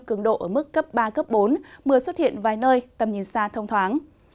cường độ ở mức cấp ba cấp bốn mưa xuất hiện vài nơi tầm nhìn xa thông thoáng